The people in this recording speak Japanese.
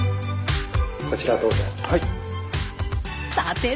こちらどうぞ。